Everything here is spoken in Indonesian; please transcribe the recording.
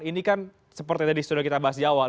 ini kan seperti tadi sudah kita bahas di awal